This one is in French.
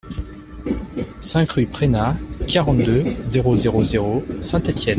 cinq rue Preynat, quarante-deux, zéro zéro zéro, Saint-Étienne